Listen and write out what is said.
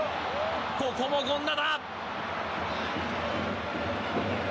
ここも権田だ。